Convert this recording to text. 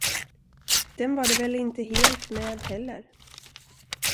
Den var det väl inte helt med heller.